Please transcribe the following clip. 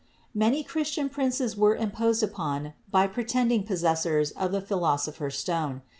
Many Christian princes were imposed upon by pretend ing possessors of the Philosopher's Stone.